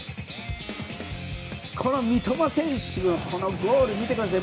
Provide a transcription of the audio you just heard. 三笘選手のこのゴール見てください。